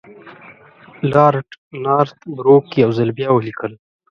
لارډ نارت بروک یو ځل بیا ولیکل.